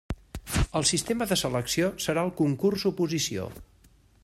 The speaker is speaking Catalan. El sistema de selecció serà el concurs-oposició.